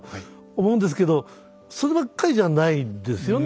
思うんですけどそればっかりじゃないですよね。